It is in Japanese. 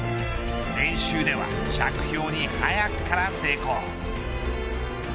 練習では着氷に早くから成功。